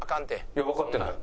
いやわかってない。